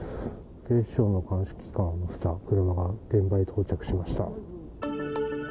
警視庁の鑑識官を乗せた車が現場へ到着しました。